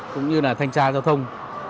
cũng như là thanh tra giao thông